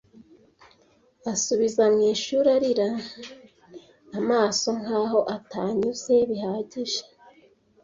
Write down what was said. asubizwa mwishuri arira amaso, nkaho atanyuze bihagije ...